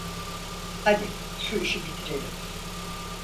Hadi şu işi bitirelim.